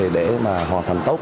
để mà hoàn thành tốc